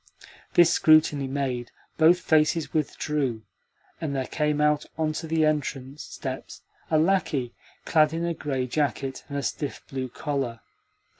This scrutiny made, both faces withdrew, and there came out on to the entrance steps a lacquey clad in a grey jacket and a stiff blue collar.